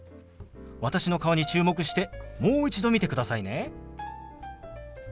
私の顔に注目してもう一度見てくださいね。